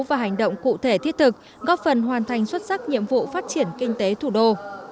và hành động cụ thể thiết thực góp phần hoàn thành xuất sắc nhiệm vụ phát triển kinh tế thủ đô